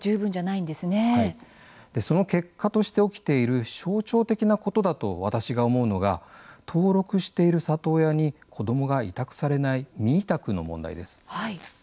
その結果として起きている象徴的なことだと私が思うのが登録している里親に子どもが委託されない未委託の問題です。